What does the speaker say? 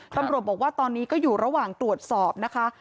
ตำรวจบอกว่าตอนนี้ก็อยู่ระหว่างตรวจสอบนะคะ